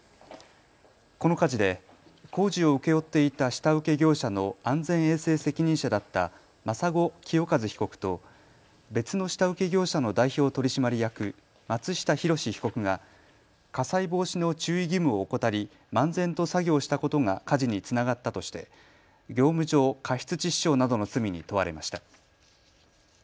この火事で工事を請け負っていた下請け業者の安全衛生責任者だった眞砂清一被告と別の下請け業者の代表取締役、松下弘被告が火災防止の注意義務を怠り漫然と作業したことが火事につながったとして業務上過失致死傷などの罪に問われました。